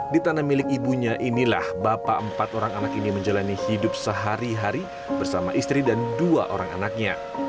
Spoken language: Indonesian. di tanah milik ibunya inilah bapak empat orang anak ini menjalani hidup sehari hari bersama istri dan dua orang anaknya